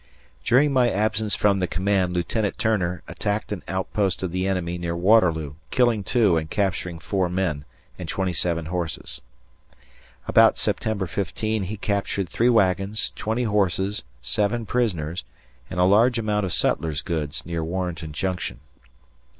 During my absence from the command, Lieutenant Turner attacked an outpost of the enemy near Waterloo, killing 2 and capturing 4 men and 27 horses. About September 15 he captured 3 wagons, 20 horses, 7 prisoners and a large amount of sutlers' goods near Warrenton Junction.